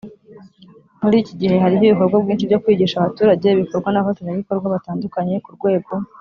Muri iki gihe hariho ibikorwa byinshi byo kwigisha abaturage bikorwa n abafatanyabikorwa batandukanye ku rwego